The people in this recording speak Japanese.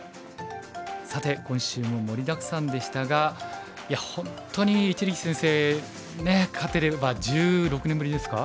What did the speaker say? さて今週も盛りだくさんでしたがいや本当に一力先生ね勝てれば１６年ぶりですか？